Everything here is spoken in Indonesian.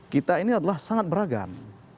kita ini adalah sangat beragam